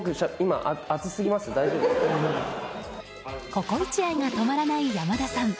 ココイチ愛が止まらない山田さん。